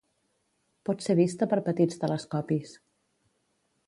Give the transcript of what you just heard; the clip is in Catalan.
Pot ser vista per petits telescopis.